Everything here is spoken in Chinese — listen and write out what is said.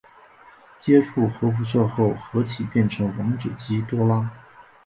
接触核辐射后合体变成王者基多拉。